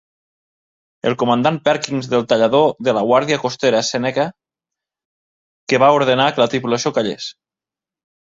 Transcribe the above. El comandant Perkins del tallador de la Guàrdia Costera Seneca, que va ordenar que la tripulació callés.